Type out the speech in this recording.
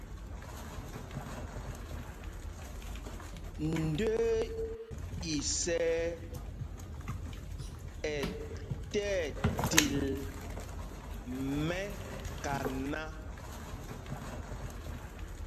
Ndəə isɛɛ ɛ tí ɛtil mɛkaná.